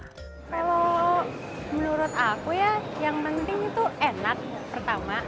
kalau menurut aku ya yang penting itu enak pertama